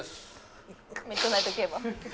「ミッドナイト競馬」。